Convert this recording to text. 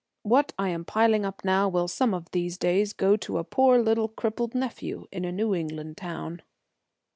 What I am piling up now will some of these days go to a poor little crippled nephew in a New England town."